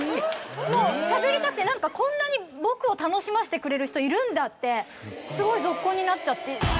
もうしゃべりたくて「こんなに僕を楽しませてくれる人いるんだ」ってすごいゾッコンになっちゃって。